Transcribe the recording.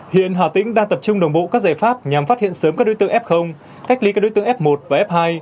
hiện hà tĩnh đang tập trung đồng bộ các giải pháp nhằm phát hiện sớm các đối tượng f cách ly các đối tượng f một và f hai